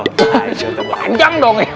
ah itu terlalu panjang dong ya